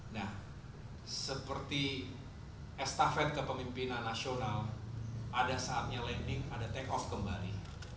nah seperti estafet kepemimpinan nasional ada saatnya landing ada take off kembali